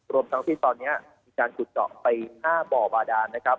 รวมทั้งที่ตอนนี้มีการขุดเจาะไป๕บ่อบาดานนะครับ